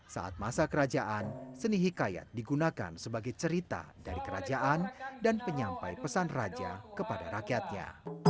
saat masa kerajaan seni hikayat digunakan sebagai cerita dari kerajaan dan penyampai pesan raja kepada rakyatnya